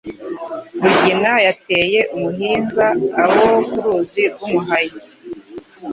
Rugina yateye umuhinza Abo ku ruzi rw'umuhayo,